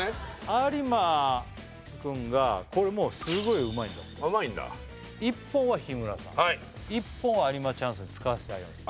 有馬君がこれもううまいんだ１本は日村さん１本は有馬チャンスに使わせてあげます